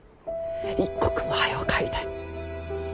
一刻も早う帰りたい。